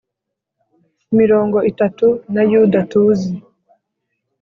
mirongo itatu na yuda tuzi